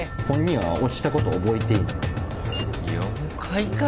本人は落ちたこと覚えていない。